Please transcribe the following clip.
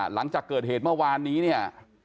หลังจากเกิดเหตุเมื่อวานนี้เนี่ย